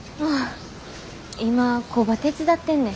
今工場手伝ってんねん。